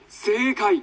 「正解！」。